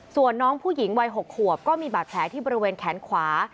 ส่วนน้องผู้หญิงวัย๖ขวบก็มีบาดแผลที่บริเวณแขนขวา